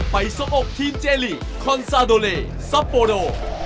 สะอบทีมเจลีคอนซาโดเลซัปโปโด